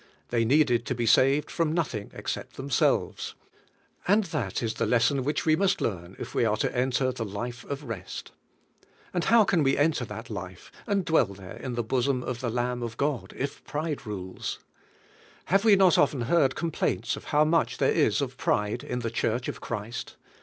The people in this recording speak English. They needed to be saved from nothing except themselves, and that is the lesson which we must learn, if we are to enter the life of rest. And how can we enter that life, and dwell there in the bosom of the Lamb of 92 CHRIST S HUMILITY G UR SAL VA TION God, if pride rules? Have we not often heard complaints of how much there is of pride in the Church of Christ?